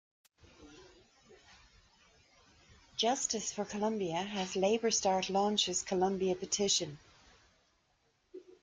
Justice for Colombia has "LabourStart Launches Colombia Petition".